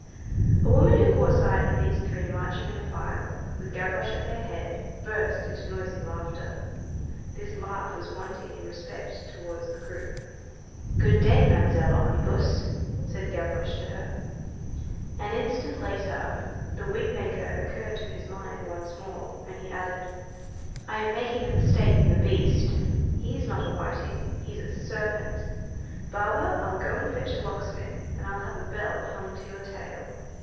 A woman who caught sight of these three marching in a file, with Gavroche at their head, burst into noisy laughter. This laugh was wanting in respect towards the group. "Good day, Mamselle Omnibus," said Gavroche to her. An instant later, the wig maker occurred to his mind once more, and he added:— "I am making a mistake in the beast; he's not a whiting, he's a serpent. Barber, I'll go and fetch a locksmith, and I'll have a bell hung to your tail."